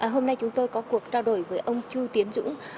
hôm nay chúng tôi có cuộc trao đổi với ông chu tiến dũng